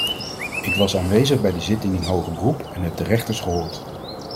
Ik was aanwezig bij de zittingen in hoger beroep en heb de rechters gehoord.